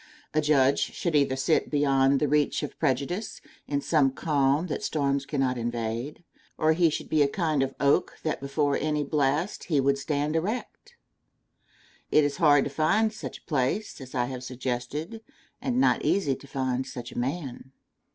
A judge should either sit beyond the reach of prejudice, in some calm that storms cannot invade, or he should be a kind of oak that before any blast he would stand erect. It is hard to find such a place as I have suggested and not easy to find such a man.